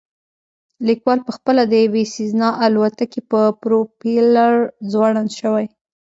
لیکوال پخپله د یوې سیزنا الوتکې په پروپیلر ځوړند شوی